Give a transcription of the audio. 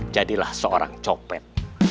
jadilah seorang copet